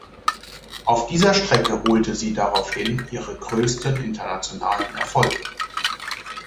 Auf dieser Strecke holte sie daraufhin ihre größten internationalen Erfolge.